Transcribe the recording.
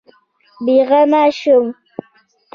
بېغمه شوم.